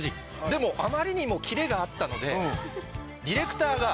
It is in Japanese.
でもあまりにもキレがあったのでディレクターが。